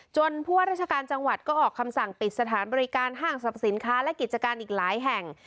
ผู้ว่าราชการจังหวัดก็ออกคำสั่งปิดสถานบริการห้างสรรพสินค้าและกิจการอีกหลายแห่ง